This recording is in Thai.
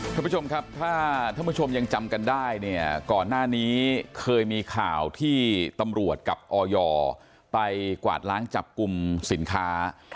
ท่านผู้ชมครับถ้าท่านผู้ชมยังจำกันได้เนี่ยก่อนหน้านี้เคยมีข่าวที่ตำรวจกับออยไปกวาดล้างจับกลุ่มสินค้า